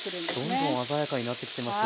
どんどん鮮やかになってきてます。